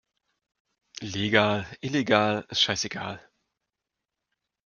Legal, illegal, scheißegal!